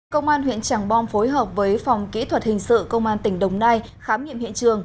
công an huyện tràng bom phối hợp với phòng kỹ thuật hình sự công an tỉnh đồng nai khám nghiệm hiện trường